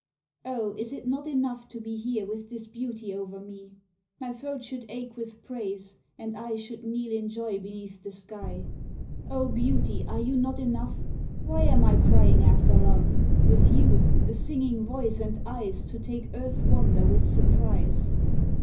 Oh, is it not enough to be Here with this beauty over me? My throat should ache with praise, and I Should kneel in joy beneath the sky. O, beauty, are you not enough? Why am I crying after love, With youth, a singing voice, and eyes To take earth's wonder with surprise?